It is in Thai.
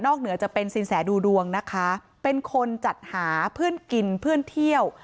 เหนือจะเป็นสินแสดูดวงนะคะเป็นคนจัดหาเพื่อนกินเพื่อนเที่ยว